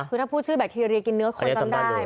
คือถ้าพูดชื่อแบคทีเรียกินเนื้อคนจำได้